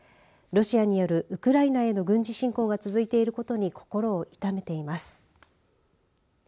ロシアによるウクライナへの軍事侵攻が続いていることに心を痛めています。